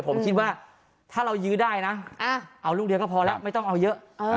ผมคิดว่าถ้าเรายื้อได้นะเอาลูกเดียวก็พอแล้วไม่ต้องเอาเยอะ